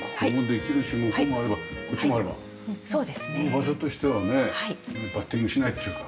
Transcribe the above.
場所としてはねバッティングしないっていうか。